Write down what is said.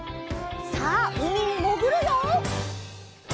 さあうみにもぐるよ！